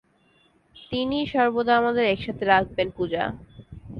তিনিই সর্বদা আমাদের, একসাথে রাখবেন, পূজা।